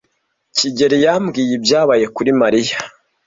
kigeli yambwiye ibyabaye kuri Mariya.